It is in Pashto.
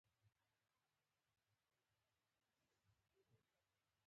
د استخباراتو رییس کشفي دنده لري